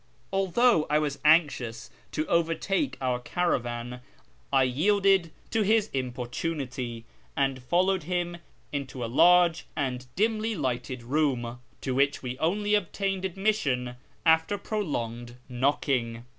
Although I was anxious to overtake our caravan, I yielded to his importunity, and followed him into n, large and dimly lighted room, to which we only obtained admission after pro longed knocking.